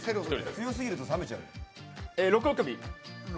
強すぎると冷めちゃうよ。